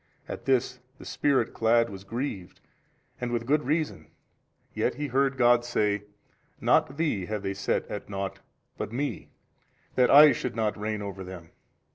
At this the Spirit clad was grieved and with good reason, yet he heard God say, Not thee have they set at nought but Me that I should not reign over them.